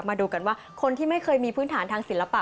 มาดูกันว่าคนที่ไม่เคยมีพื้นฐานทางศิลปะ